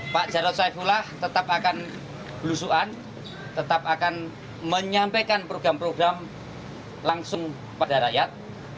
pak jarod saifullah tetap akan belusuan tetap akan menyampaikan program program langsung pada rakyat